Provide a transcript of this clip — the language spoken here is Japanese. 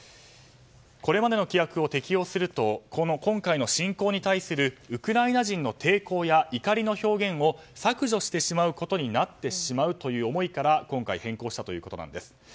これまでの規約を適用すると今回の侵攻に対するウクライナ人の抵抗や怒りの表現を削除してしまうことになってしまうという思いから今回、変更したということです。